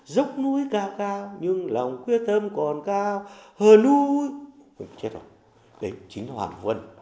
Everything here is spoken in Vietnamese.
dốc núi cao cao nhưng lòng quyết tâm còn cao hờ núi chết rồi đấy chính là hoàng vân